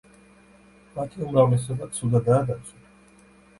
მათი უმრავლესობა ცუდადაა დაცული.